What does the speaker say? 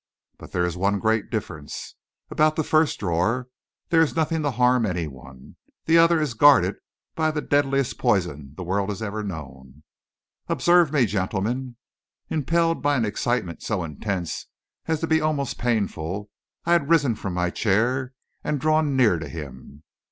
But there is one great difference. About the first drawer, there is nothing to harm any one; the other is guarded by the deadliest poison the world has ever known. Observe me, gentlemen!" Impelled by an excitement so intense as to be almost painful, I had risen from my chair and drawn near to him.